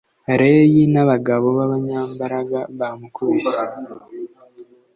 reyi n’ abagabo b ‘abanyambaraga bamukubise.